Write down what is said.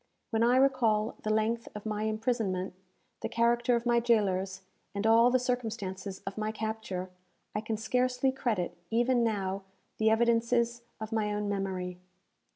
When I recall the length of my imprisonment, the character of my jailers, and all the circumstances of my capture, I can scarcely credit, even now, the evidences of my own memory.